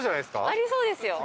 ありそうですよ。